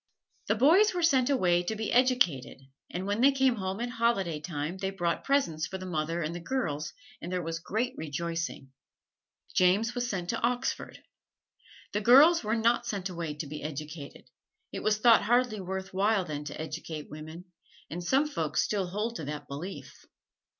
The boys were sent away to be educated, and when they came home at holiday time they brought presents for the mother and the girls, and there was great rejoicing. James was sent to Oxford. The girls were not sent away to be educated it was thought hardly worth while then to educate women, and some folks still hold to that belief.